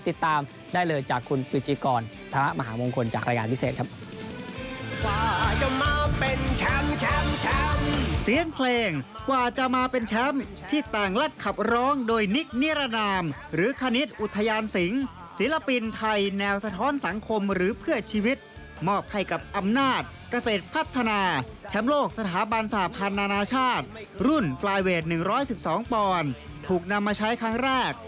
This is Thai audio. ติดตามได้เลยจากคุณกริจิกรธรมหามงคลจากรายงานพิเศษครับ